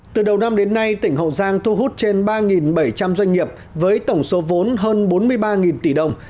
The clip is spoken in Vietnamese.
từ đầu năm đến nay tỉnh hậu giang thu hút trên ba bảy trăm linh doanh nghiệp với tổng số vốn hơn bốn mươi ba tỷ đồng